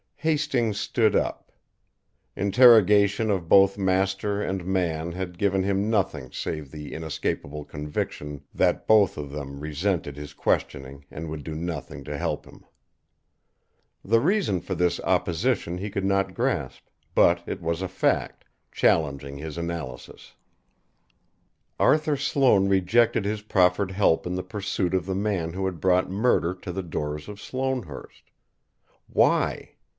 Hastings stood up. Interrogation of both master and man had given him nothing save the inescapable conviction that both of them resented his questioning and would do nothing to help him. The reason for this opposition he could not grasp, but it was a fact, challenging his analysis. Arthur Sloane rejected his proffered help in the pursuit of the man who had brought murder to the doors of Sloanehurst. Why?